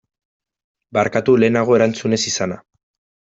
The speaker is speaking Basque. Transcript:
Barkatu lehenago erantzun ez izana.